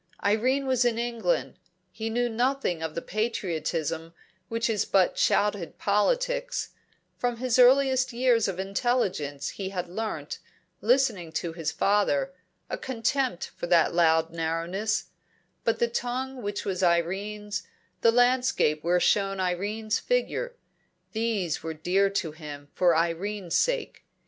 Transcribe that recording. Irene was England. He knew nothing of the patriotism which is but shouted politics; from his earliest years of intelligence he had learnt, listening to his father, a contempt for that loud narrowness; but the tongue which was Irene's, the landscape where shone Irene's figure these were dear to him for Irene's sake.